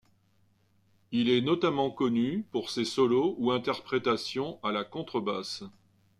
Il est notamment connu pour ses solos ou interprétations à la contrebasse.